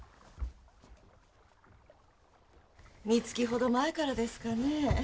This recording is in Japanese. みつきほど前からですかねえ。